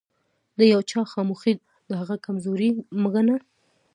د يوچا خاموښي دهغه کمزوري مه ګنه